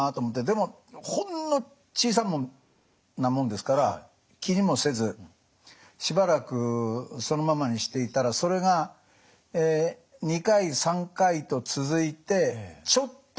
でもほんの小さなもんですから気にもせずしばらくそのままにしていたらそれが２回３回と続いてちょっとにじむようになったの。